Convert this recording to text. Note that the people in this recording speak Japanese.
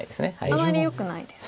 あまりよくないですか。